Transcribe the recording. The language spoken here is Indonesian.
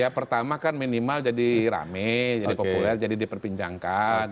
ya pertama kan minimal jadi rame jadi populer jadi diperbincangkan